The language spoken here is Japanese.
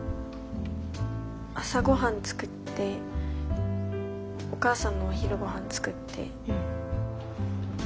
朝ごはん作ってお母さんのお昼ごはん作って。